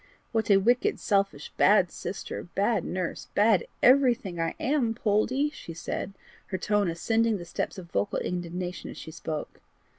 "What a wicked, selfish, bad sister, bad nurse, bad everything, I am, Poldie!" she said, her tone ascending the steps of vocal indignation as she spoke.